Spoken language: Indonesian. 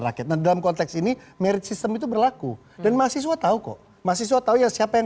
rakyat dalam konteks ini merit system itu berlaku dan mahasiswa tahu kok mahasiswa tahu ya siapa yang